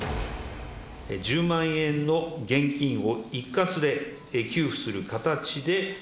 １０万円の現金を一括で給付する形で。